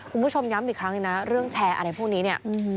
คุณผู้ชมย้ำอีกครั้งเลยนะเรื่องแชร์อะไรพวกนี้เนี่ย